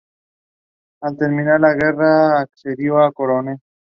Al terminar la guerra ascendió a coronel.